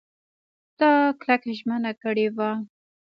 تا کلکه ژمنه کړې وه !